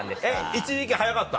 一時期速かった？